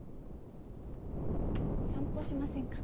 散歩しませんか？